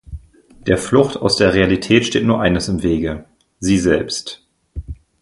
Der Flucht aus der Realität steht nur eines im Wege: sie selbst.